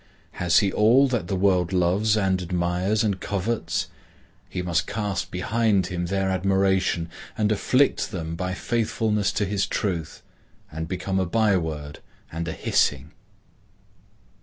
Has he all that the world loves and admires and covets?—he must cast behind him their admiration, and afflict them by faithfulness to his truth, and become a byword and a hissing.